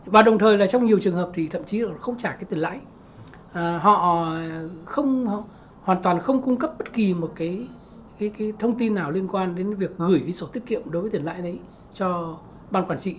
và đồng thời là trong nhiều trường hợp thì thậm chí là không trả cái tiền lãi họ hoàn toàn không cung cấp bất kỳ một cái thông tin nào liên quan đến việc gửi cái sổ tiết kiệm đối với tiền lãi đấy cho ban quản trị